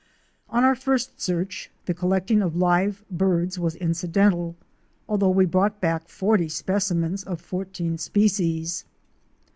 On our first search the collecting of live birds was inci dental, although we brought back forty specimens of fourteen species.